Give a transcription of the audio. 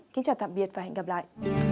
kính chào tạm biệt và hẹn gặp lại